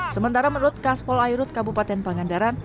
sementara menurut kaspol airut kabupaten pangandaran